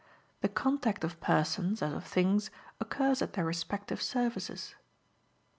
The contact of persons, as of things, occurs at their respective surfaces.